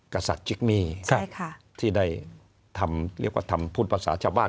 กษัตริย์จิกมี่ที่ได้ทำเรียกว่าทำพูดภาษาชาวบ้าน